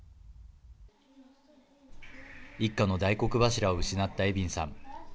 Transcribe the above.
一家の大黒柱を失ったエビンさん。